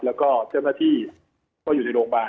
แล้วก็เจ้าหน้าที่ก็อยู่ในโรงพยาบาล